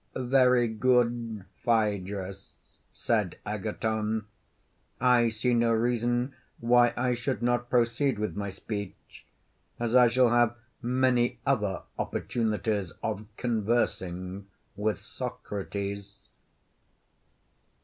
Very good, Phaedrus, said Agathon; I see no reason why I should not proceed with my speech, as I shall have many other opportunities of conversing with Socrates.